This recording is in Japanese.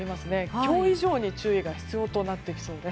今日以上に注意が必要となってきそうです。